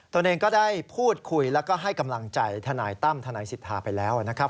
ตัวเองก็ได้พูดคุยแล้วก็ให้กำลังใจทนายตั้มทนายสิทธาไปแล้วนะครับ